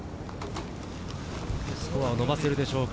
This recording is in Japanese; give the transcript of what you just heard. スコアを伸ばせるでしょうか。